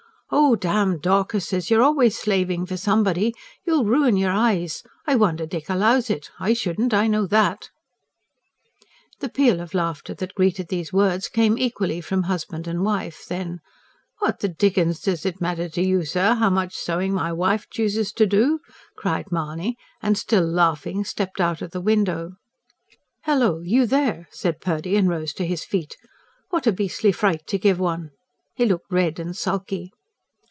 "Oh, damn Dorcases! You're always slaving for somebody. You'll ruin your eyes. I wonder Dick allows it. I shouldn't I know that." The peal of laughter that greeted these words came equally from husband and wife. Then: "What the dickens does it matter to you, sir, how much sewing my wife chooses to do?" cried Mahony, and, still laughing, stepped out of the window. "Hello! you there?" said Purdy and rose to his feet. "What a beastly fright to give one!" He looked red and sulky.